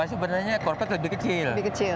sebenarnya corvette lebih kecil